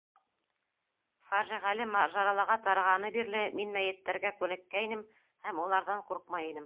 Фажиғәле мажараларға тарығаны бирле мин мәйеттәргә күнеккәйнем һәм уларҙан ҡурҡмай инем.